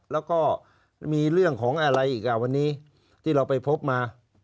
แล้วก็มีเรื่องของอะไรอีกอ่ะวันนี้ที่เราไปพบมา